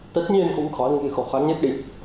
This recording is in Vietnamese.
tất nhiên cũng có những khó khăn nhất định